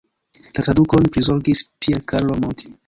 La tradukon prizorgis Pier Carlo Monti.